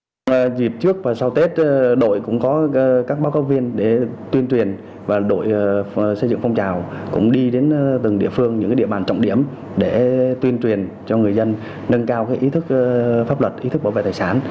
trong dịp trước và sau tết đội cũng có các báo cáo viên để tuyên truyền và đội xây dựng phong trào cũng đi đến từng địa phương những địa bàn trọng điểm để tuyên truyền cho người dân nâng cao ý thức pháp luật ý thức bảo vệ tài sản